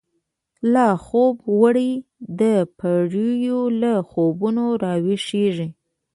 لاخوب وړی دپیړیو، له خوبونو راویښیږی